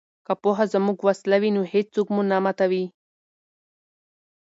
که پوهه زموږ وسله وي نو هیڅوک مو نه ماتوي.